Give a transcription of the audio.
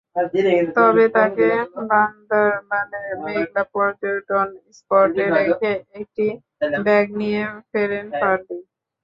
তবে তাঁকে বান্দরবানের মেঘলা পর্যটন স্পটে রেখে একটি ব্যাগ নিয়ে ফেরেন ফারদিন।